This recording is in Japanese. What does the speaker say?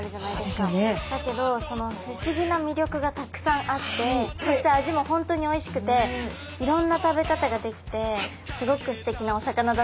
だけどその不思議な魅力がたくさんあってそして味も本当においしくていろんな食べ方ができてすごくすてきなお魚だなって思いました。